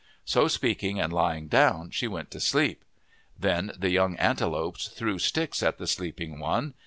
So speaking and lying down she went to sleep. Then the young antelopes threw sticks at the sleeping one.